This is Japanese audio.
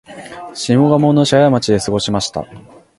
下鴨の社家町で過ごしました